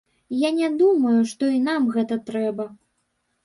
Я не думаю, што і нам гэта трэба.